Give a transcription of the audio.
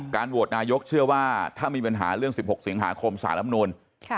การโหวดนายกเชื่อว่าถ้ามีปัญหาเรื่องสิบหกสิงหาคมสารำนวลค่ะ